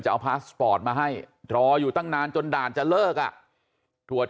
เอาพาสปอร์ตมาให้รออยู่ตั้งนานจนด่านจะเลิกอ่ะตรวจ